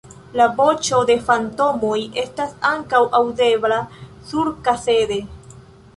La voĉo de fantomoj estas ankaŭ aŭdebla surkasede.